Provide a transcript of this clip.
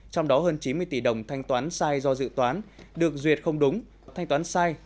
trong đó hơn chín mươi tỷ đồng thanh toán sai do dự toán được duyệt không đúng thanh toán sai